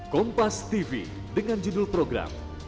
kompas tv dengan judul program